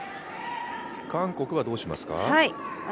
韓国はどうしますか？